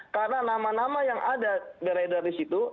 karena nama nama yang ada dari situ